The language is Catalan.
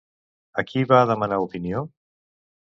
A qui va demanar opinió?